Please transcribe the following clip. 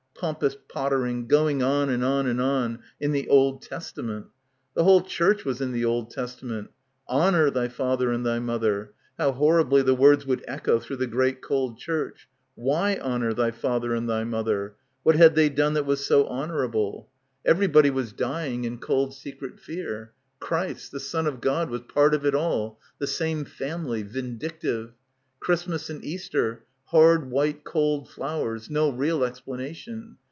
Pomp ous pottering, going on and on and on — in the Old Testament The whole church was in the Old Testament. ... Honour thy father and thy mother. How horribly the words would echo — 128 — BACKWATER through the great cold church. Why honour thy father and thy mother? What had they done that was so honourable? Everybody was dying in cold secret fear. Christ, the son of God, was part of it all, the same family ... vindictive. Christmas and Easter, hard white cold flowers, no real explanation.